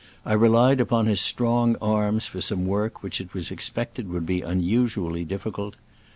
I relied upon his strong arms for some work which it was expected would be unusually difficult.